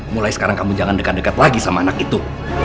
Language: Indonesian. mulai sekarang kamu jangan dekat dekat lagi sama anak itu